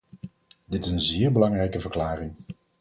Dit is een zeer belangrijke verklaring.